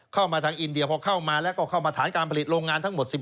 เข้ามาทางอินเดียพอเข้ามาแล้วก็เข้ามาฐานการผลิตโรงงานทั้งหมด